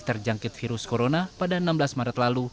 terjangkit virus corona pada enam belas maret lalu